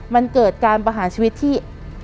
มันเกิดการประหารชีวิตที่